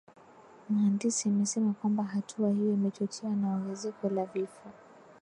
Mhandisi amesema kwamba hatua hiyo imechochewa na ongezeko la vifo